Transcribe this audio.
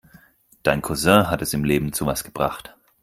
Dein Cousin hat es im Leben zu was gebracht.